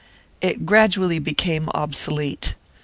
It gradually became obsolete.